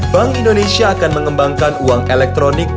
bank indonesia akan mengembangkan uang elektronik